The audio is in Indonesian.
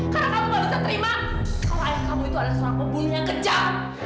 karena kamu tidak bisa terima kalau ayah kamu itu adalah seorang pembunuh yang kejam